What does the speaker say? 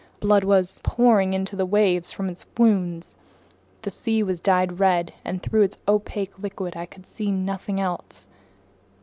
Blood was pouring into the waves from its wounds. The sea was dyed red, and through this opaque liquid I could see nothing else.